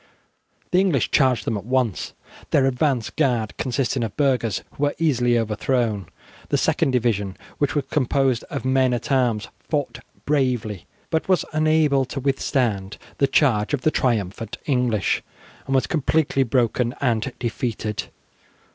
The English charged them at once. Their advance guard, consisting of burghers, was easily overthrown. The second division, which was composed of men at arms, fought bravely, but was unable to withstand the charge of the triumphant English, and was completely broken and defeated.